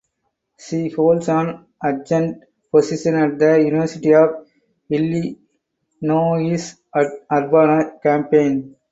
She holds an adjunct position at the University of Illinois at Urbana–Champaign.